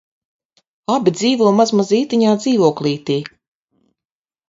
Abi dzīvo mazmazītiņā dzīvoklītī